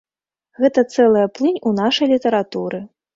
Гэта цэлая плынь у нашай літаратуры.